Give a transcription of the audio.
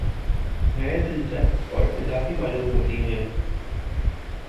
غیر دلچسپ اور اضافی معلوم ہوتے ہیں